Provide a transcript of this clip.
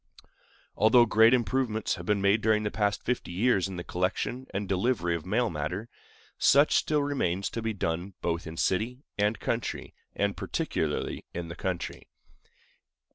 Although great improvements have been made during the past fifty years in the collection and delivery of mail matter, much still remains to be done both in city and country, and particularly in the country.